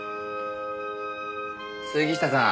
杉下さん。